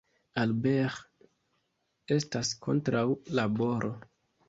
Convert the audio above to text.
Albert estas kontraŭ laboro.